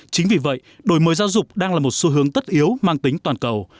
chính vì vậy đổi mới giáo dục đang là một xu hướng tất yếu mang tính toàn cầu